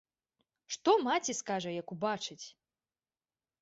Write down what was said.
Што маці скажа, як убачыць?!